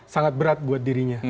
sangat berat buat dirinya